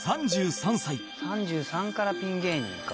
「３３からピン芸人か」